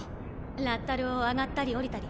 ラッタルを上がったり降りたり。